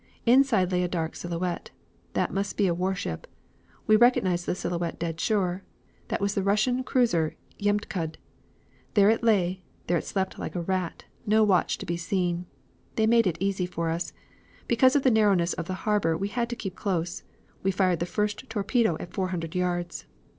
Inside lay a dark silhouette. That must be a warship. We recognized the silhouette dead sure. That was the Russian cruiser Jemtchud. There it lay, there it slept like a rat, no watch to be seen. They made it easy for us. Because of the narrowness of the harbor we had to keep close; we fired the first torpedo at four hundred yards.